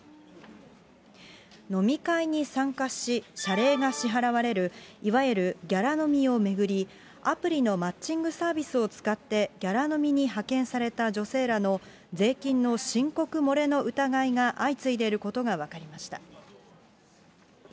飲み会に参加し、謝礼が支払われる、いわゆるギャラ飲みを巡り、アプリのマッチングサービスを使って、ギャラ飲みに派遣された女性らの、税金の申告漏れの疑いが相次いでいることが分かりました。